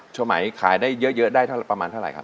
ช่วงใหม่ขายได้เยอะได้ประมาณเท่าไหร่ครับ